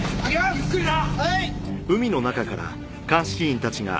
ゆっくりな。